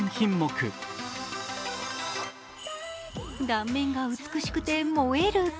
断面が美しくて萌える。